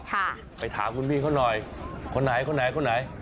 ค่ะไปถามคุณพี่เขาหน่อยคนไหนคนไหนคนไหน